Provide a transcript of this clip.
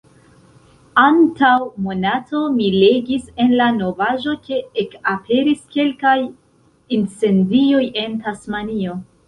Antaŭ monato, mi legis en la novaĵo ke ekaperis kelkaj incendioj en Tasmanio.